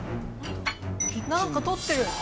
なんか取ってる。